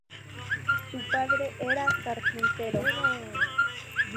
Su padre era carpintero.